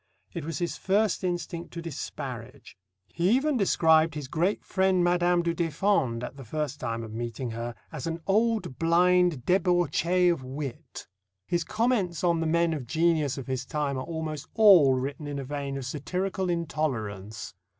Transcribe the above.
It was his first instinct to disparage. He even described his great friend Madame du Deffand, at the first time of meeting her, as "an old blind débauchée of wit." His comments on the men of genius of his time are almost all written in a vein of satirical intolerance.